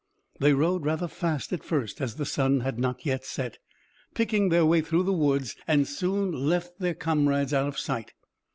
They rode rather fast at first as the sun had not yet set, picking their way through the woods, and soon left their comrades out of sight.